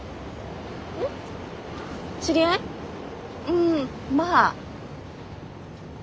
うんまあ。